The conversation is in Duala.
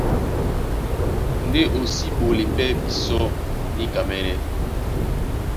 Ndé o si ɓolé pɛ́ bisɔ́ níkamɛ́nɛ́.